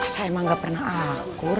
saya emang gak pernah akur